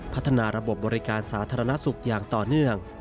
พัฒนาระบบบริการสาธารณสุขอย่างต่อเนื่อง